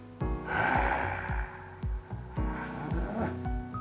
へえ。